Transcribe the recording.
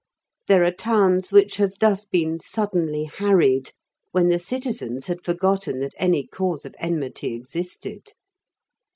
There are towns which have thus been suddenly harried when the citizens had forgotten that any cause of enmity existed.